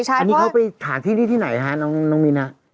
อันนี้เขาไปหาที่ไหนน้องมีน